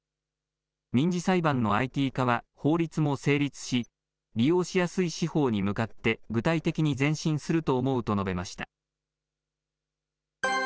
民事裁判のＩＴ化は法律も成立し、利用しやすい司法に向かって具体的に前進すると思うと述べました。